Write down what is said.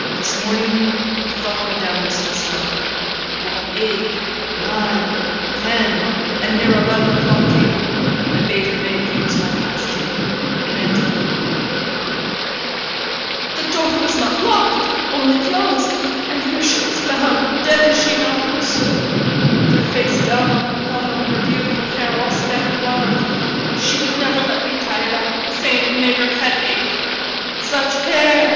'This morning we thought madame was still slumbering; but when eight, nine, ten, and near eleven o'clock came, I bade her maid use my pass key, and enter her room ' 'The door was not locked, only closed. And here she was found dead is she not, monsieur? with her face down on her pillow, and her beautiful hair all scattered wild; she never would let me tie it up, saying it made her head ache. Such hair!'